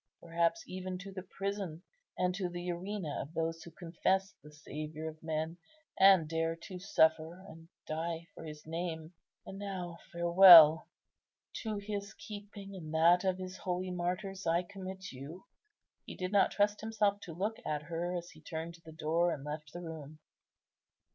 perhaps even to the prison and to the arena of those who confess the Saviour of men, and dare to suffer and die for His name. And now, farewell; to His keeping and that of His holy martyrs I commit you." He did not trust himself to look at her as he turned to the door, and left the room.